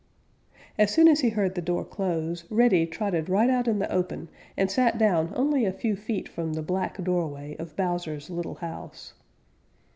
As soon as he heard the door close, Reddy trotted right out in the open and sat down only a few feet from the black doorway of Bowser's little house.